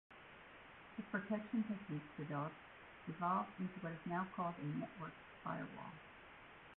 The protection techniques developed evolved into what is now called a network firewall.